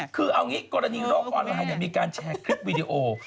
คือเอางี้กรณีโลกออนไลน์มีการแชร์คลิปวีดีโอ